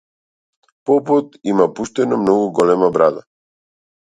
Попот има пуштено многу голема брада.